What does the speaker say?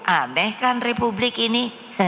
aneh kan republik ini